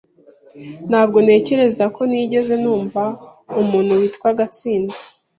Ntabwo ntekereza ko nigeze numva umuntu witwa Gatsinzi.